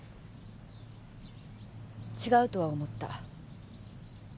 違うとは思った。